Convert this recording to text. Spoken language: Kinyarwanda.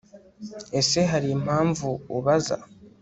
Ese Hari impamvu ubaza